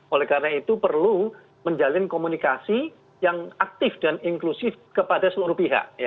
oleh karena itu perlu menjalin komunikasi yang aktif dan inklusif kepada seluruh pihak